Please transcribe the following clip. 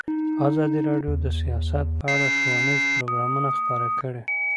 ازادي راډیو د سیاست په اړه ښوونیز پروګرامونه خپاره کړي.